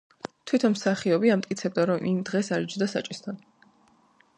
თვითონ მსახიობი ამტკიცებდა, რომ იმ დღეს არ იჯდა საჭესთან.